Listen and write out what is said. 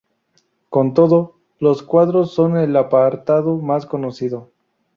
Con todo, los cuadros son el apartado más conocido.